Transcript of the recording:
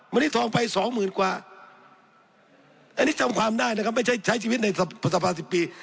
วันนี้ทองไปสองหมื่นกว่าอันนี้จำความได้นะครับไม่ใช่ใช้ชีวิตในสภาสิบปี